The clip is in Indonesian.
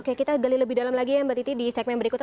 oke kita gali lebih dalam lagi ya mbak titi di segmen berikutnya